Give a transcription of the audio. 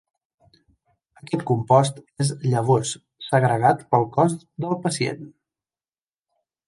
Aquest compost és llavors segregat pel cos del pacient.